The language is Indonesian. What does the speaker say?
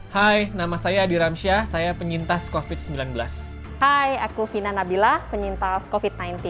hai nama saya adi ramsya saya penyintas covid sembilan belas hai aku fina nabila penyintas covid sembilan belas